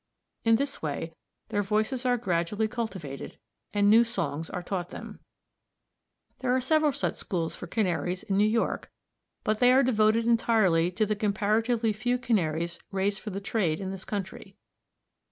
In this way their voices are gradually cultivated, and new songs are taught them. There are several such schools for canaries in New York, but they are devoted entirely to the comparatively few Canaries raised for the trade in this country.